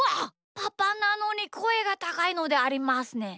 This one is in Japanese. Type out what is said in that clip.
パパなのにこえがたかいのでありますね。